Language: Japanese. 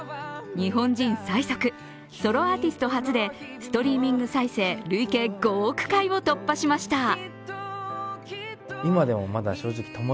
日本人最速、ソロアーティスト初でストリーミング再生累計５億回を突破しました。